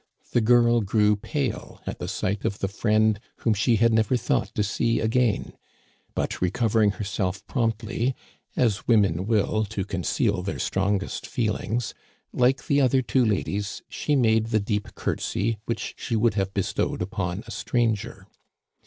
The girl grew pale at the sight of the friend whom she had never thought to see again ; but recovering herself promptly, as women will to conceal their strongest feelings, like the other two ladies she made the deep courtesy which she would have bestowed upon a stranger.